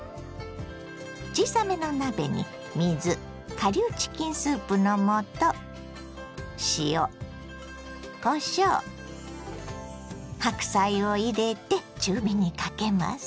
小さめの鍋に水顆粒チキンスープの素塩こしょう白菜を入れて中火にかけます。